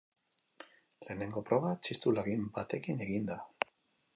Lehenengo proba txistu lagin batekin egin da.